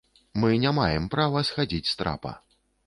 Мы не маем права схадзіць з трапа.